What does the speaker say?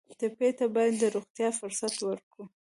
ټپي ته باید د روغتیا فرصت ورکړو.